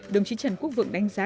đồng chí trần quốc vượng đánh giá